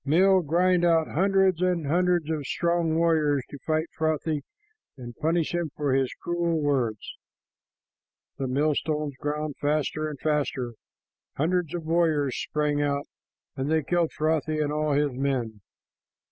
Mill, grind out hundreds and hundreds of strong warriors to fight Frothi and punish him for his cruel words." The millstones ground faster and faster. Hundreds of warriors sprang out, and they killed Frothi and all his men.